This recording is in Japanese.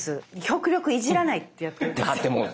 極力いじらないってやってるんですよ。